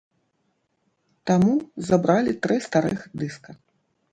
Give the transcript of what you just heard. Таму забралі тры старых дыска.